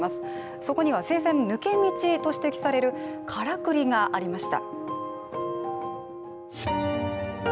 そこには制裁の抜け道と指摘されるからくりがありました。